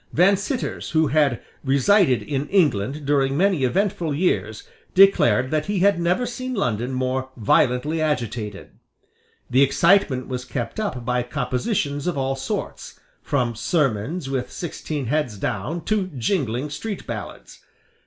Van Citters, who had resided in England during many eventful years, declared that he had never seen London more violently agitated, The excitement was kept up by compositions of all sorts, from sermons with sixteen heads down to jingling street ballads.